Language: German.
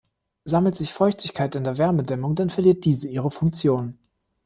Sammelt sich Feuchtigkeit in der Wärmedämmung, dann verliert diese ihre Funktion.